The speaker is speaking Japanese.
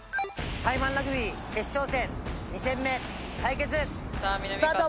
タイマンラグビー決勝戦２戦目対決スタート！